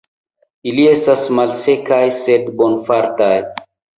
Ili estis malsekaj, sed bonfartaj.